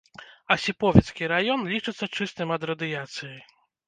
Асіповіцкі раён лічыцца чыстым ад радыяцыі.